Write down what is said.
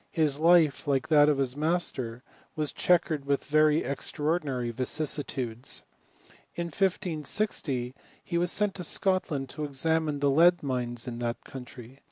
His life, like that of his master, was checkered with very extra ordinary vicissitudes. In 1560 he was sent to Scot land to examine the lead mines in that country.